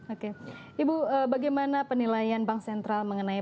oke ibu bagaimana penilaian bank sentral mengenai